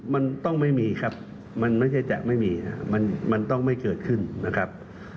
มันต้องไม่มีครับมันไม่ใช่จะไม่มีมันต้องไม่เกิดขึ้นนะครับ